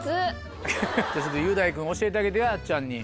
雄大君教えてあげてやあっちゃんに。